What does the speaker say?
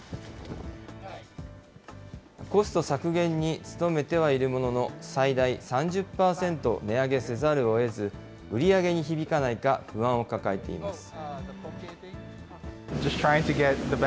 コスト削減に努めてはいるものの、最大３０％値上げせざるをえず、売り上げに響かないか、不安を抱えています。